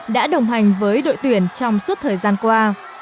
đã đồng hành với đội tuyển trong suốt thời gian qua